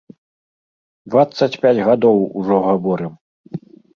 Дваццаць пяць гадоў ужо гаворым!